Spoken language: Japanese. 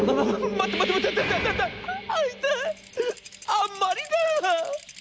あんまりだあ』。